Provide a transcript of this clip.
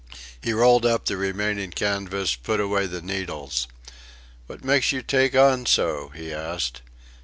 He rolled up the remaining canvas, put away the needles. "What makes you take on so?" he asked.